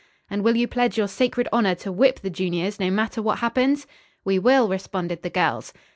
"And will you pledge your sacred honor to whip the juniors, no matter what happens!" "We will," responded the girls.